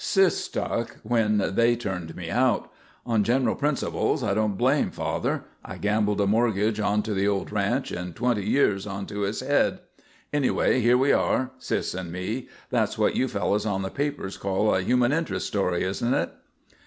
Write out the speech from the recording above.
Sis stuck when they turned me out. On general principles, I don't blame father. I gambled a mortgage on to the old ranch and twenty years on to his head. Anyhow, here we are, Sis and me. That's what you fellows on the papers call a human interest story, isn't it?"